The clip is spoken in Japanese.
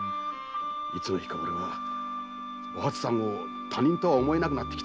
いつの日か俺はお初さんを他人とは思えなくなってきたんだ。